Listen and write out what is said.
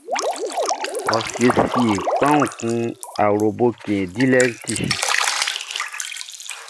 Ɔ siesie kpanwun kun awloboʼn i cɛn dilɛʼn i ti.